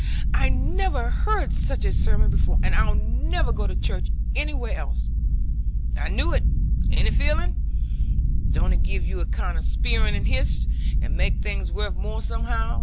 I never heard such a sermon before, and I'll never go to church anywhere else." "I knew it! ain't it fillin'? don't it give you a kind of spirital h'ist, and make things wuth more somehow?"